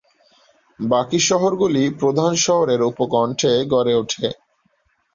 বাকি শহরগুলি প্রধান শহরের উপকন্ঠে গড়ে ওঠে।